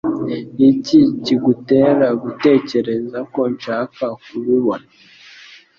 Niki kigutera gutekereza ko nshaka kubibona?